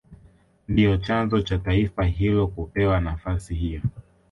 Ndio chanzo cha taifa hilo kupewa nafasi hiyo